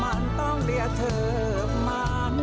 ให้เธอออกถ่ายขนาดนี้ที่ไทยครบ๒๘นาที